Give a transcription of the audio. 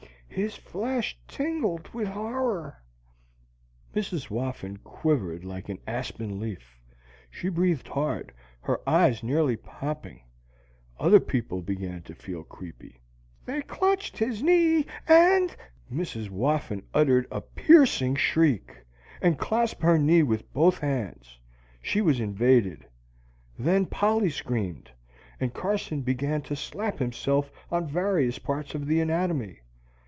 His flesh tingled with horror." Mrs. Whoffin quivered like an aspen leaf. She breathed hard, her eyes nearly popping. Other people began to feel creepy. "They clutched his knee, and " Mrs. Whoffin uttered a piercing shriek, and clasped her knee with both hands. She was invaded. Then Polly screamed, and Carson began to slap himself on various parts of the anatomy.